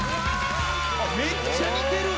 めっちゃ似てる。